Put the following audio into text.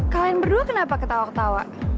kalian berdua kenapa ketawa ketawa